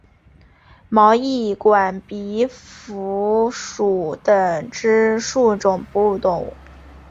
毛翼管鼻蝠属等之数种哺乳动物。